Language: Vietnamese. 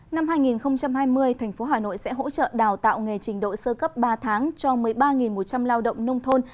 năm hai nghìn hai mươi tp hà nội sẽ hỗ trợ đào tạo nghề trình độ sơ cấp ba tháng cho một mươi ba một trăm linh lao động nông thôn